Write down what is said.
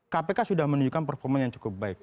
kpk sudah menunjukkan performa yang cukup baik